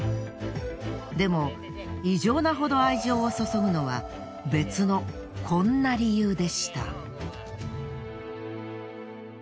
でも異常なほど愛情を注ぐのは別のこんな理由でした。